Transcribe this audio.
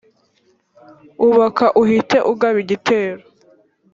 ubaka uhite ugaba igitero